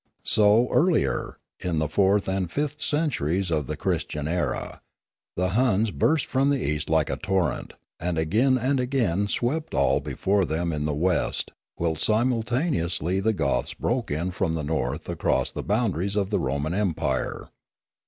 So, earlier, in the fourth and fifth centuries of the Christian era, the Huns burst from the east like a torrent, and again and again swept all before them in the west, whilst simul taneously the Goths broke in from the north across the boundaries of the Roman empire.